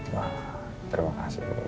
wah terima kasih